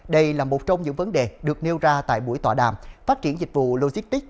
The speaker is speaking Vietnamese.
đây là một trong những vấn đề được nêu ra tại buổi tỏa đàm phát triển dịch vụ logistic